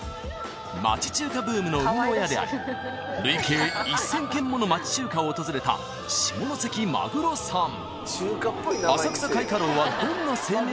［町中華ブームの生みの親であり累計１，０００軒もの町中華を訪れた下関マグロさん］